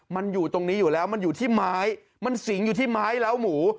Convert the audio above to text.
มันอยู่ตรงนี้อยู่แล้วมันอยู่ที่ไม้มันสิงอยู่ที่ไม้เล้าหมู